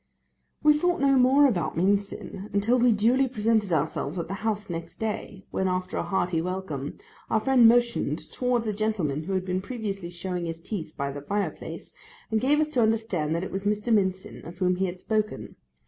'We thought no more about Mincin until we duly presented ourselves at the house next day, when, after a hearty welcome, our friend motioned towards a gentleman who had been previously showing his teeth by the fireplace, and gave us to understand that it was Mr. Mincin, of whom he had spoken.